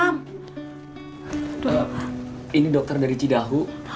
mak eros udah tahu